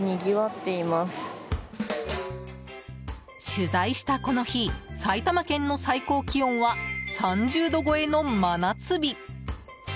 取材した、この日埼玉県の最高気温は３０度超えの真夏日。